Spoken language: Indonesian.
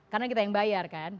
karena kita yang bayar kan